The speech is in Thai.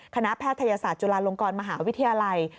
แพทยศาสตร์จุฬาลงกรมหาวิทยาลัย